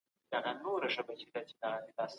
په مال کي د زکات ترڅنګ صدقه هم سته.